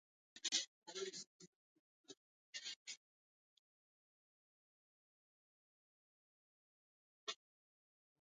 روبوټونه د سمندرونو په تل کې د تېلو د پایپونو ساتنه کوي.